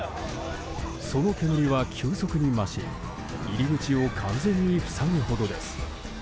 その煙は急速に増し入り口を完全に塞ぐほどです。